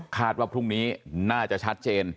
ว่าพรุ่งนี้น่าจะชัดเจน